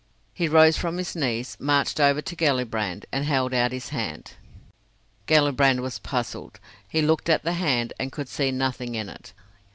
He rose from his knees, marched over to Gellibrand, and held out his hand. Gellibrand was puzzled; he looked at the hand and could see nothing in it.